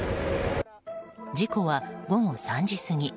事故は午後３時過ぎ。